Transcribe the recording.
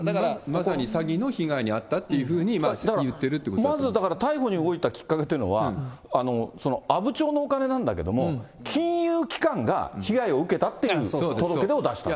まさに詐欺の被害に遭ったというふうに言ってるっていうわけまず逮捕に動いたきっかけというのは、阿武町のお金なんだけども、金融機関が被害を受けたっていう届け出を出した？